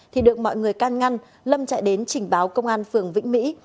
thì được mọi người can ngăn lâm chạy đến trình báo công an phường vĩnh mỹ